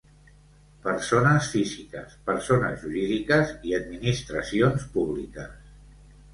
Persones físiques, persones jurídiques i administracions públiques.